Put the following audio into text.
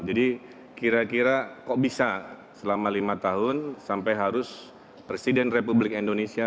jadi kira kira kok bisa selama lima tahun sampai harus presiden republik indonesia